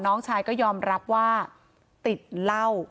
น้องชายก็ยอมรับว่าติดเหล้า